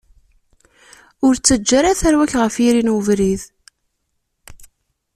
Ur ttaǧǧa ara tarwa-k ɣef yiri n ubrid.